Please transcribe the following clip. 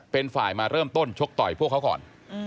เป็นฝ่ายมาเริ่มต้นชกต่อยพวกเขาก่อน